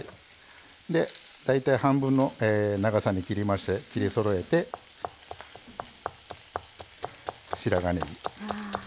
大体、半分の長さに切りまして切りそろえて、白髪ねぎ。